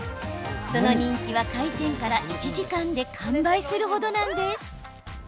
その人気は、開店から１時間で完売する程なんです。